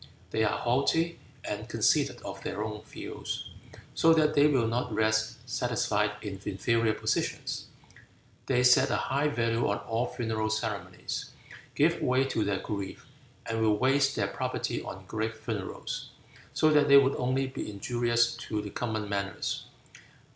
They are haughty and conceited of their own views, so that they will not rest satisfied in inferior positions. They set a high value on all funeral ceremonies, give way to their grief, and will waste their property on great funerals, so that they would only be injurious to the common manners.